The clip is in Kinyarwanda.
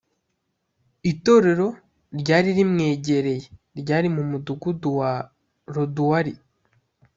itorero ryari rimwegereye ryari mu mudugudu wa loduwari